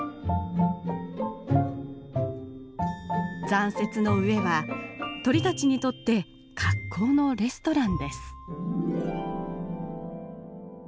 残雪の上は鳥たちにとって格好のレストランです。